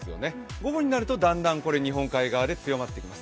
午後になるとだんだん日本海側で強まってきます。